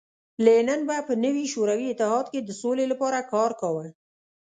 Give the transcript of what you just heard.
لینین به په نوي شوروي اتحاد کې د سولې لپاره کار کاوه